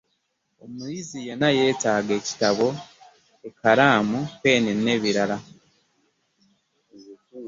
Omuyizi yenna yetaaga ekitabo, ekalamu, penni ne birala.